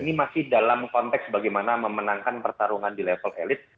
ini masih dalam konteks bagaimana memenangkan pertarungan di level elit